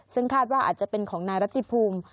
ซึ่งคาดว่าอาจจะเป็นของนายรัติภูมิ